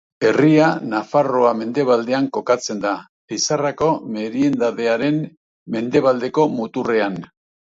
Herria Nafarroa mendebaldean kokatzen da, Lizarrako merindadearen mendebaldeko muturrean.